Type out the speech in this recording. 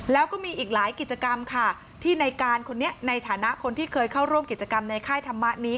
แล้วก็มีอีกหลายกิจกรรมค่ะที่ในการคนนี้ในฐานะคนที่เคยเข้าร่วมกิจกรรมในค่ายธรรมะนี้